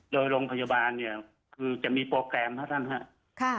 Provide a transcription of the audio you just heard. โดยโรงพยาบาลเนี่ยคือจะมีโปรแกรมครับท่านครับ